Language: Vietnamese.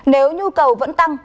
nếu nhu cầu vẫn tăng